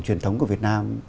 truyền thống của việt nam